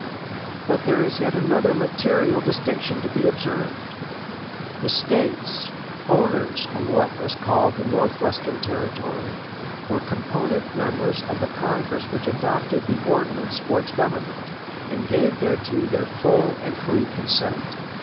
But there is yet another material distinction to be observed. The States, owners of what was called the Northwestern Territory, were component members of the Congress which adopted the Ordinance for its government, and gave thereto their full and free consent.